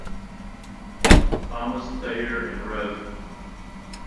Thomas Thayer and Rev.